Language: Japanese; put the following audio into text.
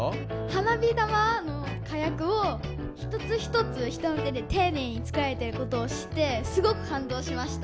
花火玉の火薬を一つ一つ人の手で丁寧に作られていることを知ってすごく感動しました。